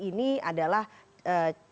ini adalah capresen